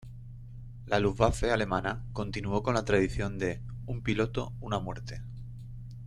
La Luftwaffe alemana continuó con la tradición de "un piloto, una muerte.